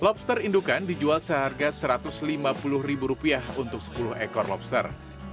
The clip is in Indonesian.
lobster indukan dijual seharga rp satu ratus lima puluh ribu rupiah untuk sepuluh ekor lobster